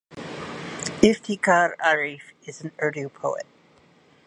Iftikhar Arif is an Urdu poet.